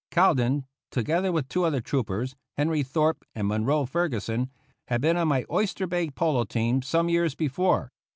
Cowdin, together with two other troopers, Harry Thorpe and Munro Ferguson, had been on my Oyster Bay Polo Team some years before.